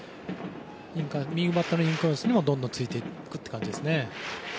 右バッターのインコースもどんどんついていく感じですね。